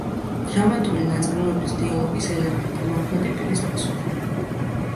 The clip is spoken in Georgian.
დრამატული ნაწარმოების დიალოგის ელემენტი, მოქმედი პირის პასუხი.